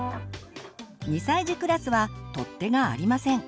２歳児クラスは取っ手がありません。